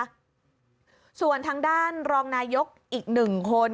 ส่วนทางด้านรองนายกอีกหนึ่งคน